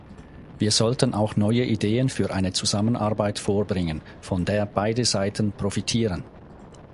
Wir sollten auch neue Ideen für eine Zusammenarbeit vorbringen, von der beide Seiten profitieren.